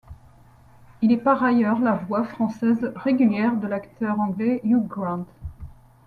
Il est par ailleurs la voix française régulière de l'acteur anglais Hugh Grant.